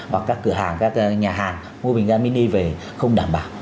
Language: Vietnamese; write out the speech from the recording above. hoặc các cửa hàng các nhà hàng mua bình ga mini về không đảm bảo